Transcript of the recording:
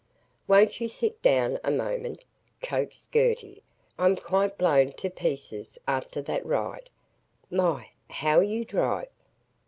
"Won't you sit down a moment?" coaxed Gertie. "I'm quite blown to pieces after that ride. My, how you drive!"